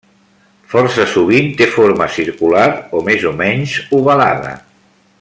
Força sovint té forma circular o més o menys ovalada.